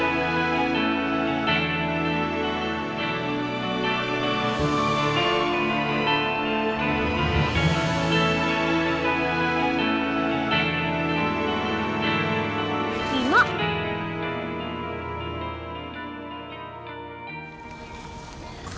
aku mau ke rumah